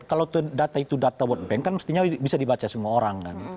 kalau data itu data world bank kan mestinya bisa dibaca semua orang kan